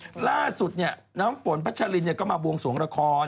ล่าสุดเนี่ยน้ำฝนพัชลินก็มาบวงสวงละคร